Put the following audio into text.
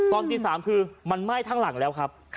ตอนตี๓คือมันไหม้ทั้งหลังแล้วครับ